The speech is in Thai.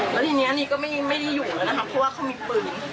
แล้วทีนี้นี่ก็ไม่ได้อยู่แล้วนะคะเพราะว่าเขามีปืน